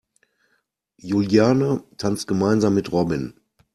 Juliane tanzt gemeinsam mit Robin.